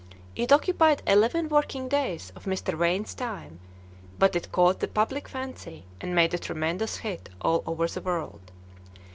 It occupied eleven working days of Mr. Wain's time, but it caught the public fancy and made a tremendous hit all over the world.